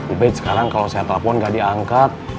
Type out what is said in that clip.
ubed sekarang kalau saya telepon nggak diangkat